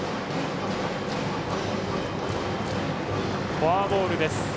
フォアボールです。